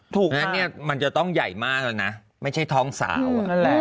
ถูกครับมันจะต้องใหญ่มากแล้วนะไม่ใช่ท้องสาว